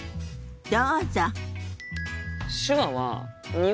どうぞ。